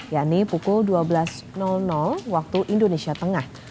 yakni pukul dua belas waktu indonesia tengah